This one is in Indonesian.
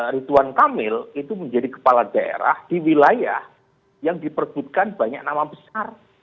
rituan kamil itu menjadi kepala daerah di wilayah yang diperbutkan banyak nama besar